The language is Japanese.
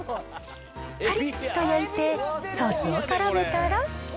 かりっと焼いて、ソースをからめたら。